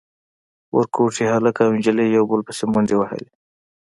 ورکوټي هلک او نجلۍ يو بل پسې منډې وهلې.